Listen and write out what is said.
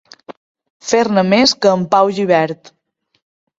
Fer-ne més que en Pau Gibert.